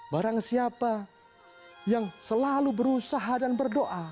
barang siapa yang selalu berusaha dan berdoa